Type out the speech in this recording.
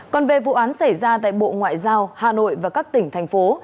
còn về vụ án xảy ra tại bộ ngoại giao hà nội và các tỉnh thành phố